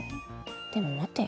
でも待てよ。